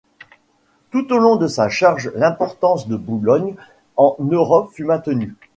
Tout au long de sa charge l'importance de Boulogne en Europe fut maintenue.